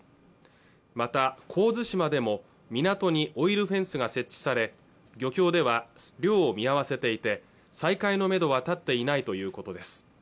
また神津島でも港にオイルフェンスが設置され漁協では漁を見合わせていて再開のめどは立っていないということです